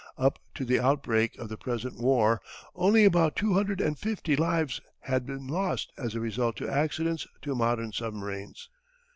Up to the outbreak of the present war only about two hundred and fifty lives had been lost as a result to accidents to modern submarines.